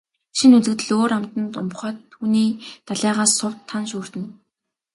Шинэ үзэгдэл өөр амтанд умбахад түүний далайгаас сувд, тана шүүрдэнэ.